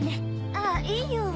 あいいよ。